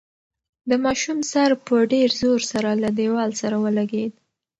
د ماشوم سر په ډېر زور سره له دېوال سره ولګېد.